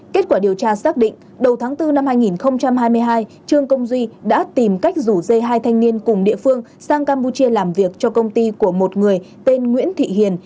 kết quả điều tra xác định đầu tháng bốn năm hai nghìn hai mươi hai trương công duy đã tìm cách rủ dây hai thanh niên cùng địa phương sang campuchia làm việc cho công ty của một người tên nguyễn thị hiền